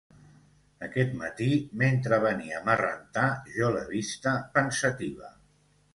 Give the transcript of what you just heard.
Aquest matí, mentre veníem a rentar, jo l'he vista pensativa.